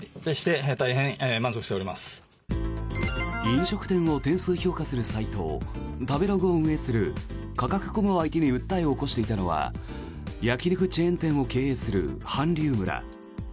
飲食店を点数評価するサイト食べログを運営するカカクコムを相手に訴えを起こしていたのは焼き肉チェーン店を経営する韓流村。